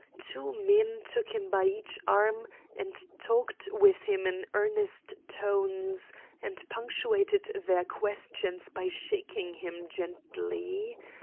Two men took him by each arm and talked with him in earnest tones, and punctuated their questions by shaking him gently.